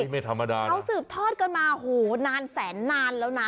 เขาสืบทอดกันมาโหนานแสนนานแล้วนะ